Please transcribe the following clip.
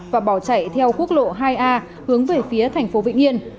và bỏ chạy theo quốc lộ hai a hướng về phía thành phố vĩnh yên